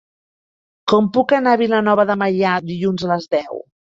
Com puc anar a Vilanova de Meià dilluns a les deu?